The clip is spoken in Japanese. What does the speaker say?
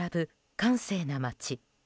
閑静な街。